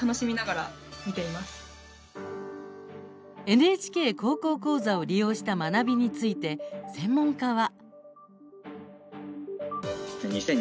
「ＮＨＫ高校講座」を利用した学びについて、専門家は？